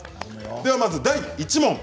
ではまず第１問。